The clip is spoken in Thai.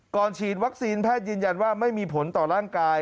ฉีดวัคซีนแพทย์ยืนยันว่าไม่มีผลต่อร่างกาย